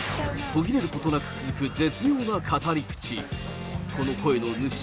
途切れることなく続く絶妙な語り口。